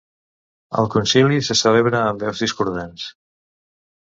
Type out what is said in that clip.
El concili se celebra amb veus discordants.